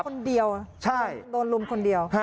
คนเดียวโดนลุมคนเดียว